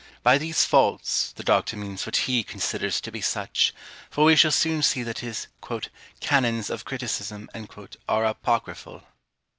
By these faults, the Doctor means what he considers to be such: for we shall soon see that his "Canons of Criticism" are apocryphal.